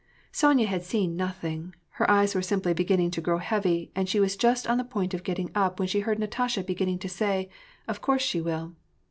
Sonya had seen nothing; her eyes were simply beginning to grow heavy, and she was just on the point of getting up when she heard Natasha beginning to say, "Of course she will."